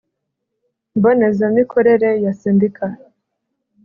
mboneza mikorere ya Sendika